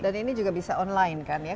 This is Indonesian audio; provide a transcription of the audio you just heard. dan ini juga bisa online kan ya